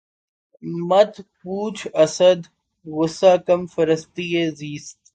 مت پوچھ اسد! غصۂ کم فرصتیِ زیست